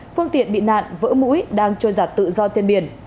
phương tiện bị nạn vỡ mũi đang trôi giặt tự do trên biển